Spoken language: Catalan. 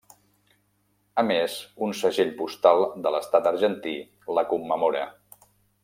A més un segell postal de l'Estat Argentí la commemora.